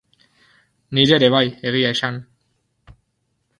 Niri ere bai, egia esan.